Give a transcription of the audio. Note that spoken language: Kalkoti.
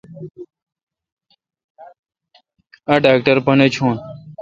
اے°ڈاکٹر پہ نہ چھون۔